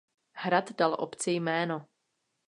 Hrad dal obci jméno.